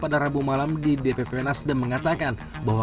di dpp nasdem mengatakan bahwa